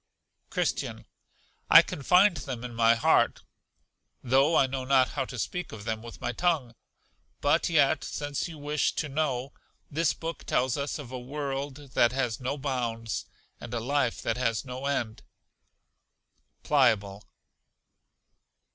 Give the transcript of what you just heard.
Christian. I can find them in my heart, though I know not how to speak of them with my tongue; but yet, since you wish to know, this book tells us of a world that hast no bounds, and a life that has no end. Pliable.